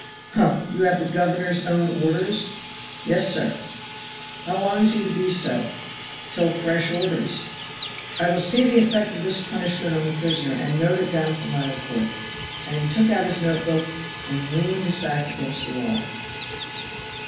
"Humph! You have the governor's own orders?" "Yes, sir." "How long is he to be so?" "Till fresh orders." "I will see the effect of this punishment on the prisoner and note it down for my report." And he took out his note book and leaned his back against the wall.